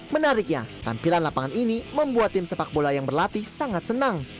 menariknya tampilan lapangan ini membuat tim sepak bola yang berlatih sangat senang